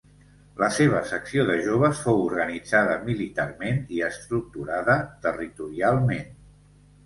La seva secció de Joves fou organitzada militarment i estructurada territorialment.